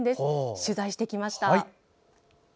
取材してきました。